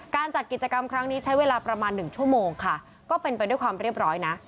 จัดกิจกรรมครั้งนี้ใช้เวลาประมาณ๑ชั่วโมงค่ะก็เป็นไปด้วยความเรียบร้อยนะ